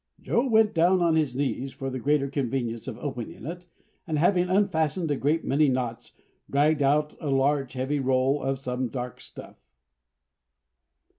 Joe went down on his knees for the greater convenience of opening it, and having unfastened a great many knots, dragged out a large heavy roll of some dark stuff.